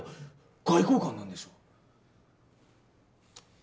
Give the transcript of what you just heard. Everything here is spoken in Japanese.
外交官なんでしょう？